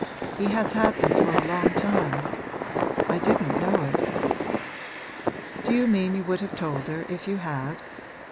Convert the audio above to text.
He has had them for a long time; I didn't know it.' 'Do you mean you would have told her if you had?